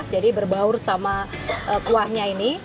jadi berbaur sama kuahnya ini